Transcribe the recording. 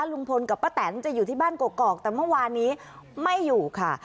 ลุงพลกับป้าแตนจะอยู่ที่บ้านกอกแต่เมื่อวานนี้ไม่อยู่ค่ะ